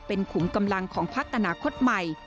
เป็นขุมกำลังของพักอนาคตใหม่